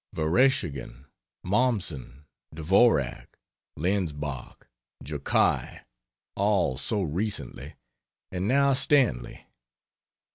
Vereschagin, Mommsen, Dvorak, Lenbach, Jokai all so recently, and now Stanley.